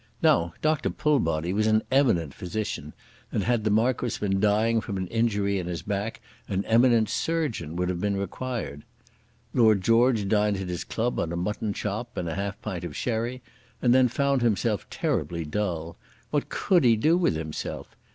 Now Dr. Pullbody was an eminent physician, and had the Marquis been dying from an injury in his back an eminent surgeon would have been required. Lord George dined at his club on a mutton chop and a half a pint of sherry, and then found himself terribly dull. What could he do with himself?